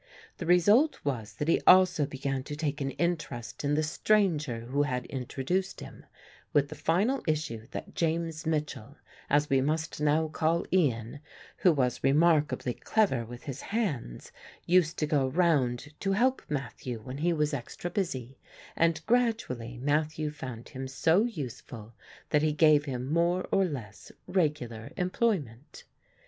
The result was that he also began to take an interest in the stranger who had introduced him, with the final issue that James Mitchell, as we must now call Ian, who was remarkably clever with his hands, used to go round to help Matthew when he was extra busy; and gradually Matthew found him so useful that he gave him more or less regular employment.